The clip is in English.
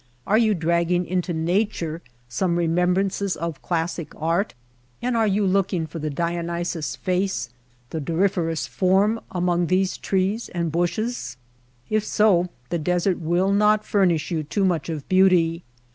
Are yon dragging into nature some remembrances of classic art; and are you looking for the Dionysius face, the Doryphorus form, among these trees and bushes ? If so the desert will not furnish you too much of beauty.